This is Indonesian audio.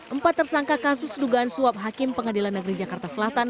empat tersangka kasus dugaan suap hakim pengadilan negeri jakarta selatan